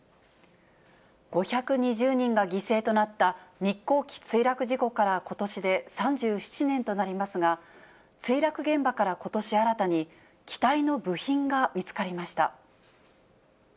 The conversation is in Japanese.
５２０人が犠牲となった、日航機墜落事故からことしで３７年となりますが、墜落現場からことし新たに、機体の部品が見つかりました。